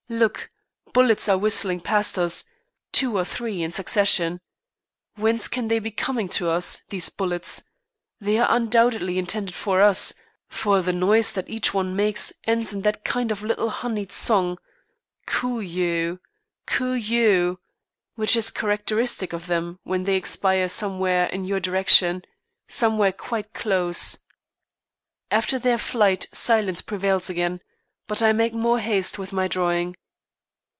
Look! bullets are whistling past us, two or three in succession. Whence can they be coming to us, these bullets? They are undoubtedly intended for us, for the noise that each one makes ends in that kind of little honeyed song, "Cooee you! Cooee you!" which is characteristic of them when they expire somewhere in your direction, somewhere quite close. After their flight silence prevails again, but I make more haste with my drawing.